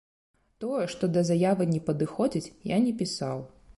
Тое, што да заявы не падыходзіць, я не пісаў.